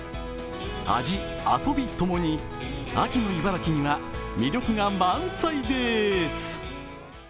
味、遊びともに秋の茨城には魅力が満載です。